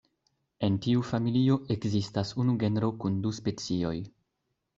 En tiu familio ekzistas unu genro kun du specioj.